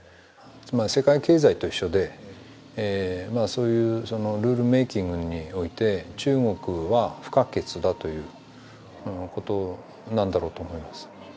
つまり世界経済と一緒でそういうルールメーキングにおいて中国は不可欠だということなんだろうと思います